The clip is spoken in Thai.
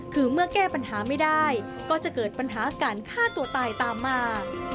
คือเมื่อแก้ปัญหาไม่ได้ก็จะเกิดปัญหาการฆ่าตัวตายตามมา